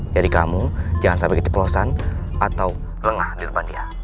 jadi kamu jangan sampai keceplosan atau lengah di depan dia